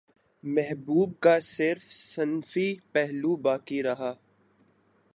محبوب کا صرف صنفی پہلو باقی رہا